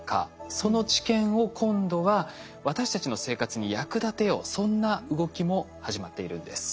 その知見を今度は私たちの生活に役立てようそんな動きも始まっているんです。